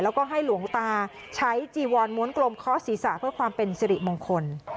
แล้วก็ให้หลวงตาใช้จีวอนม้วนกลมเคาะศีรษะเพื่อความเป็นสิริมงคล